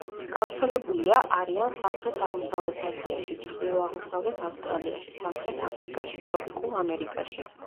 გავრცელებულია არიან სამხრეთ-აღმოსავლეთ აზიაში, ჩრდილო-აღმოსავლეთ ავსტრალიაში, სამხრეთ აფრიკაში, ტროპიკულ ამერიკაში.